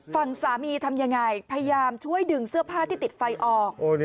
ฝั่งสามีทำยังไงพยายามช่วยดึงเสื้อผ้าที่ติดไฟออก